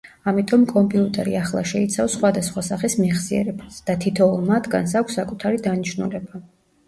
ამიტომ კომპიუტერი ახლა შეიცავს სხვადასხვა სახის მეხსიერებას, და თითოეულ მათგანს აქვს საკუთარი დანიშნულება.